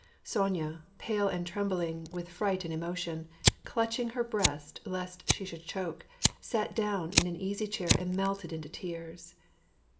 Sonya, pale, and trembling with fright and emotion, clutch ing her breast lest she should choke, sat down in an easy chair and melted into tears.